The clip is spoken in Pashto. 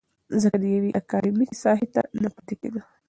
ځکه يوې اکادميکې ساحې ته نه پاتې کېده.